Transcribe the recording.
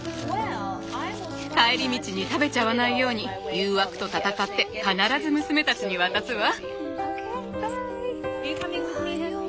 帰り道に食べちゃわないように誘惑と闘って必ず娘たちに渡すわ。